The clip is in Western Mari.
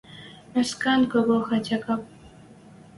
Мӧскӓн кого хотя кӓп